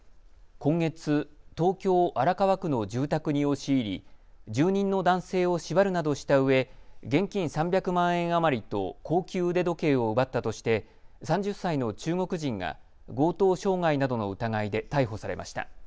今月、東京荒川区の住宅に押し入り住人の男性を縛るなどしたうえ、現金３００万円余りと高級腕時計を奪ったとして３０歳の中国人が強盗傷害などの疑いで逮捕されました。